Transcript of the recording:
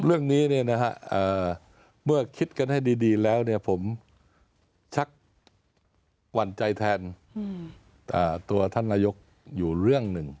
เรื่องนี้เมื่อคิดกันให้ดีแล้วผมชักหวั่นใจแทนตัวท่านนายกอยู่เรื่องหนึ่ง